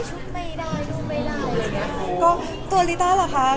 พอเสร็จจากเล็กคาเป็ดก็จะมีเยอะแยะมากมาย